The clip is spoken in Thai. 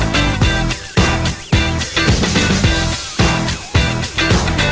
แล้วก็กิน